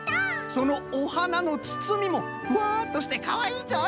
そのおはなのつつみもふわっとしてかわいいぞい。